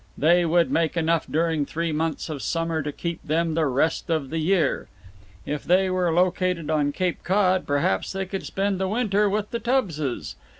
they would make enough during three months of summer to keep them the rest of the year. If they were located on Cape Cod, perhaps they could spend the winter with the Tubbses.